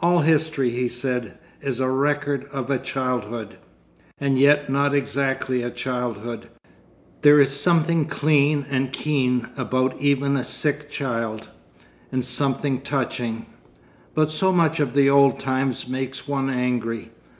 'All history,' he said, 'is a record of a childhood.... 'And yet not exactly a childhood. There is something clean and keen about even a sick child—and something touching. But so much of the old times makes one angry.